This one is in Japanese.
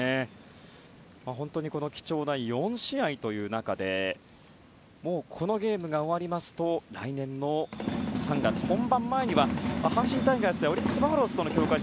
本当に貴重な４試合という中でもうこのゲームが終わりますと来年３月の本番前には阪神タイガースやオリックス・バファローズとの強化